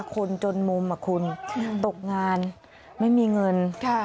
คนจนมุมคุณตกงานไม่มีเงิน